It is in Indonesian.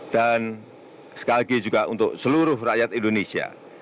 dan sekali lagi juga untuk seluruh rakyat indonesia